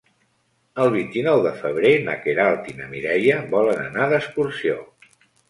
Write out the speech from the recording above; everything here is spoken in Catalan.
El vint-i-nou de febrer na Queralt i na Mireia volen anar d'excursió.